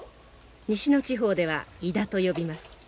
西の地方ではイダと呼びます。